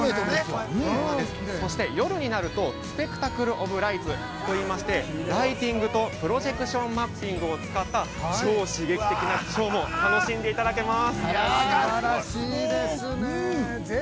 ◆そして夜になるとスペクタクル・オブ・ライツといいまして、ライティングとプロジェクションマッピングを使った超刺激的なショーもお楽しみいただけます。